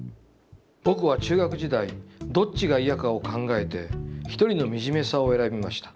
僕は中学時代、どっちがイヤかを考えて、『一人のみじめさ』を選びました。